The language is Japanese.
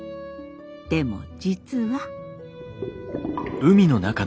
でも実は。